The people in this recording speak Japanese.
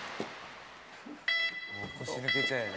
「もう腰抜けちゃうよね」